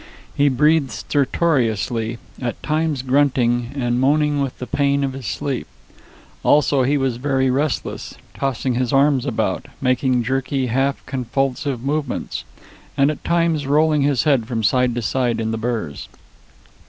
He breathed stertorously, at times grunting and moaning with the pain of his sleep. Also, he was very restless, tossing his arms about, making jerky, half convulsive movements, and at times rolling his head from side to side in the burrs.